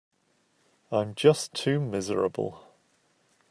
I'm just too miserable.